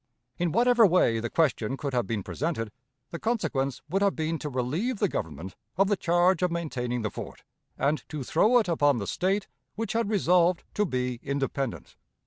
In whatever way the question could have been presented, the consequence would have been to relieve the Government of the charge of maintaining the fort, and to throw it upon the State which had resolved to be independent.